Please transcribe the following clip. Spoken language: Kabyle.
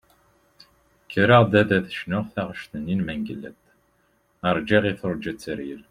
Kkreɣ ad d-cnuɣ taɣect-nni n Mengellat "Rğiɣ i turğa teryel".